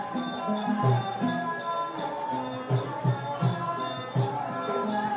การทีลงเพลงสะดวกเพื่อความชุมภูมิของชาวไทย